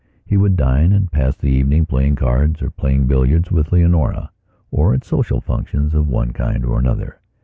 He would dine and pass the evening playing cards, or playing billiards with Leonora or at social functions of one kind or another.